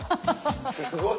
すごい。